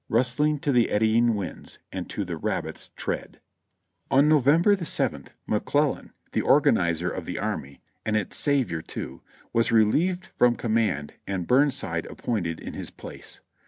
"Rustling to the eddying winds, And to the rabbit's tread." On November the seventh, McClellan, the organizer of the army (and its savior too), was relieved from command and Burn side appointed in his place.